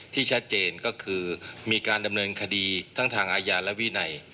ที่ชัดเจนก็คือมีการดำเนินคดีทั้งทางอาญาและวินัย